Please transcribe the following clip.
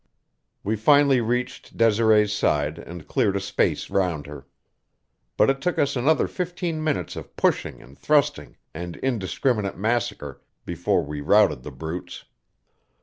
We finally reached Desiree's side and cleared a space round her. But it took us another fifteen minutes of pushing and thrusting and indiscriminate massacre before we routed the brutes.